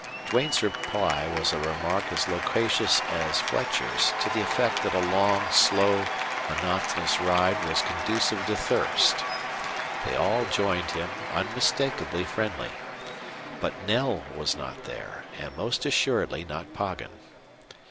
Duanes reply was a remark as loquacious as Fletcher's, to the effect that a long, slow, monotonous ride was conducive to thirst. They all joined him, unmistakably friendly. But Knell was not there, and most assuredly not Poggin.